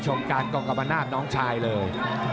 ชมการกองกรรมนาศน้องชายเลย